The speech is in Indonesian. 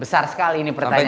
besar sekali ini pertanyaan